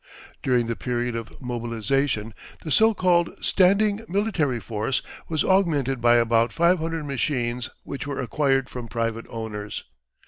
During the period of mobilisation the so called standing military force was augmented by about 500 machines which were acquired from private owners.